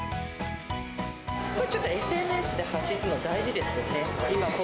これちょっと、ＳＮＳで発信するの、大事ですよね。